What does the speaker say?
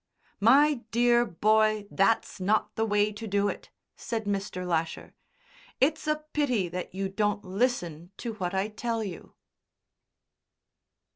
"My dear boy, that's not the way to do it," said Mr. Lasher; "it's a pity that you don't listen to what I tell you."